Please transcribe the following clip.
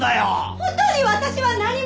本当に私は何も。